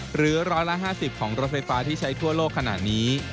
หรือ๑๕๐ของรถไฟฟ้าที่ใช้ทั่วโลกขนาดนี้